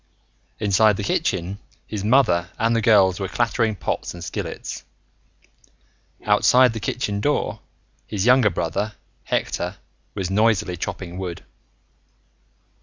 Inside the kitchen, his mother and the girls were clattering pots and skillets. Outside the kitchen door, his younger brother, Hector, was noisily chopping wood.